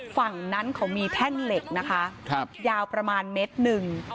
ฝั่งนั้นเขามีแท่งเหล็กนะคะยาวประมาณเมตรหนึ่ง